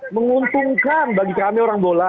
menguntungkan bagi kami orang bola